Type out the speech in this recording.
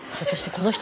この人。